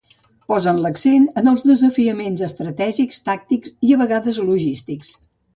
Posen l'accent en els desafiaments estratègics, tàctics i, a vegades, logístics.